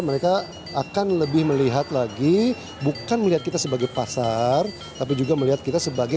mereka akan lebih melihat lagi bukan melihat kita sebagai pasar tapi juga melihat kita sebagai